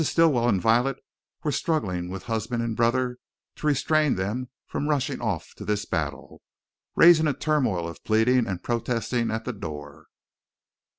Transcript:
Stilwell and Violet were struggling with husband and brother to restrain them from rushing off to this battle, raising a turmoil of pleading and protesting at the door.